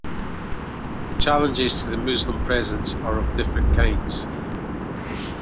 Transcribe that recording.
Challenges to the Muslim presence are of different kinds.